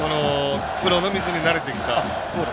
プロの水に慣れてきた。